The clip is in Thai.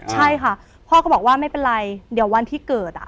ใช่ค่ะพ่อก็บอกว่าไม่เป็นไรเดี๋ยววันที่เกิด